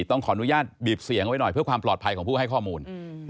ต้องขออนุญาตบีบเสียงไว้หน่อยเพื่อความปลอดภัยของผู้ให้ข้อมูล